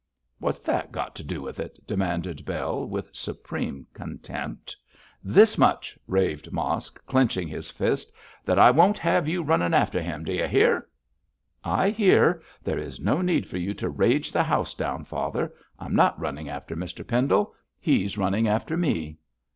'What's that got to do with it?' demanded Bell, with supreme contempt. 'This much,' raved Mosk, clenching his fist, 'that I won't have you running after him. D'y hear?' 'I hear; there is no need for you to rage the house down, father. I'm not running after Mr Pendle; he's running after me.'